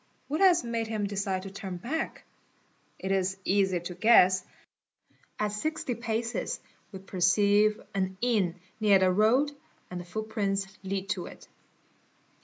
What has made him decide to turn back? It is easy " to guess; at 60 paces we perceive an inn near the road and the footprints lead to it.